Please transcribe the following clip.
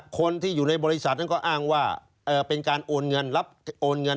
คนที่อยู่ในบริษัทนั้นก็อ้างว่าเป็นการโอนเงินรับโอนเงิน